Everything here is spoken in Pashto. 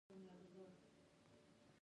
احتمالي ماضي د شاید او امکان ښکارندوی ده.